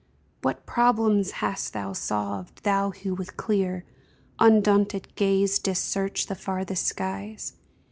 What problems hast thou solved, thou who with clear Undaunted gaze didst search the farthest skies